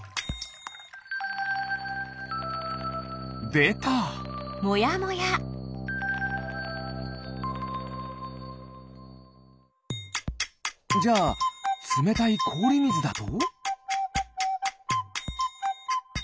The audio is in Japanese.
でた！じゃあつめたいこおりみずだと？